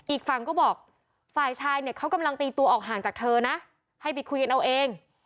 อีกฝั่งก็บอกฝ่ายชายเนี่ยเขากำลังตีตัวออกห่างจากเธอนะให้ไปคุยกันเอาเอง